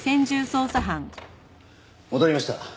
戻りました。